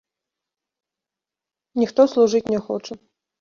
Ніхто служыць не хоча.